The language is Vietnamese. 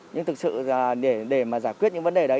nhưng thực sự để mà giải quyết những vấn đề đấy